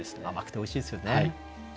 甘くておいしいですよね。